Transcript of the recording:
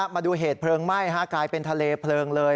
มาดูเหตุเพลิงไหม้กลายเป็นทะเลเพลิงเลย